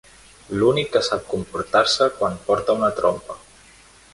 L'únic que sap comportar-se quan porta una trompa.